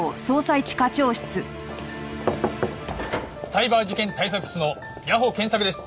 サイバー事件対策室の谷保健作です。